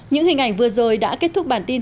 những hình ảnh vừa rồi đã kết thúc bản tin